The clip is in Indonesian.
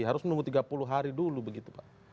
harus menunggu tiga puluh hari dulu begitu pak